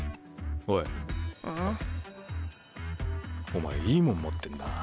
お前いいもん持ってんなあ。